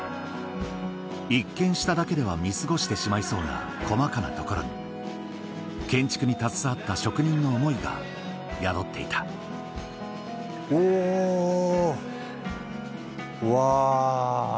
一見しただけでは見過ごしてしまいそうな細かな所に建築に携わった職人の思いが宿っていたおうわ。